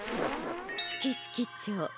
「スキスキチョウ」。